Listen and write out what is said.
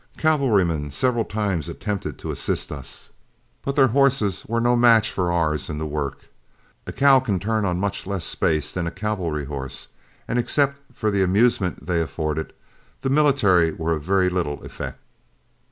Cavalrymen several times attempted to assist us, but their horses were no match for ours in the work. A cow can turn on much less space than a cavalry horse, and except for the amusement they afforded, the military were of very little effect.